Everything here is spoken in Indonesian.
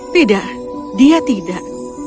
tidak dia tidak